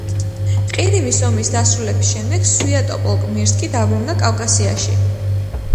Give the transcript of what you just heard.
ყირიმის ომის დასრულების შემდეგ სვიატოპოლკ-მირსკი დაბრუნდა კავკასიაში.